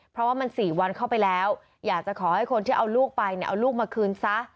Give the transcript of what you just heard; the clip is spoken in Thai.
เพราะว่ามัน๔วันเข้าไปแล้วอยากจะขอให้คนที่เอาลูกไปเนี่ยเอาลูกมาคืนซะ